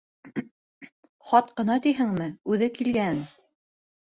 — Хат ҡына тиһеңме, үҙе килгә-ән.